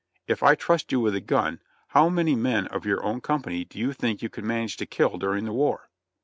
"If I trust you with a gun, how many men of your own com pany do you think you can manage to kill during the war?"